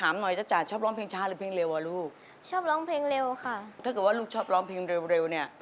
มาพบกับน้องโจเซ่นะครับ